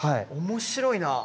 面白いな。